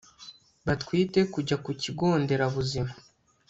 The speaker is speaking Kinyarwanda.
batwite kujya ku kigo nderabuzima